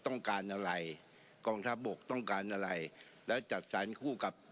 ต้องการอะไรกองทัพบกต้องการอะไรแล้วจัดสรรคู่กับ